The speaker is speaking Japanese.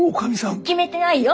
決めてないよ！